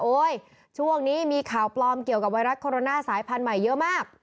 ช่วงนี้มีข่าวปลอมเกี่ยวกับไวรัสโคโรนาสายพันธุ์ใหม่เยอะมาก